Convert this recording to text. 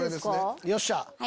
よっしゃ！